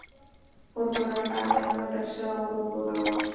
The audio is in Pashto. پروګرامر د هغه تر شا ورو ورو روان و